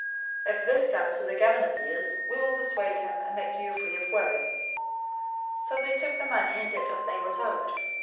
028:014 If this comes to the governor's ears, we will persuade him and make you free of worry." 028:015 So they took the money and did as they were told.